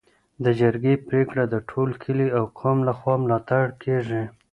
د جرګې پریکړه د ټول کلي او قوم لخوا ملاتړ کيږي.